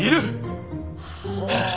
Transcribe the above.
はあ。